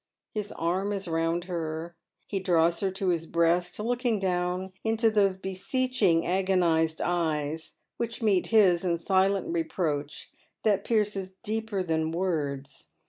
" His arm is round her, he draws her to his breast, looking down into those beseeching agonized eyes, which meet his in silent reproach that pierces deeper than words.